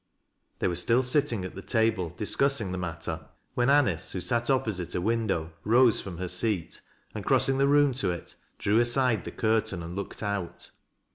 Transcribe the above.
They were still sitting at the table discussing the mat ter, when Anice, who sat opposite a window, rose from her seat, and crossing the room to it, drew aside the cur tain and looked out.